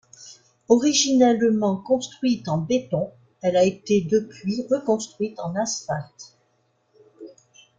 Originellement construite en béton, elle a été depuis reconstruite en asphalte.